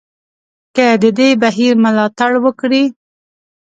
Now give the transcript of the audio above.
که د دې بهیر ملاتړ وکړي.